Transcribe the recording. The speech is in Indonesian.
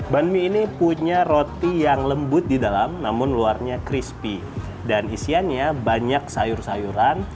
ban mie ini punya roti yang lembut di dalam namun luarnya crispy dan isiannya banyak sayur sayuran